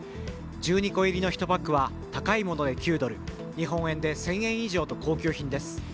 １２個入りの１パックは高いもので９ドル日本円で１０００円以上と高級品です。